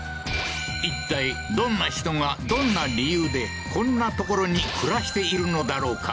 一体どんな人が、どんな理由で、こんなところに暮らしているのだろうか？